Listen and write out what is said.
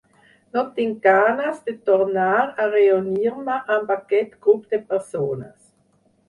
No tinc ganes de tornar a reunir-me amb aquest grup de persones.